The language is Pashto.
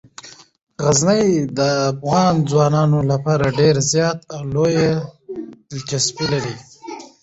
غزني د افغان ځوانانو لپاره ډیره زیاته او لویه دلچسپي لري.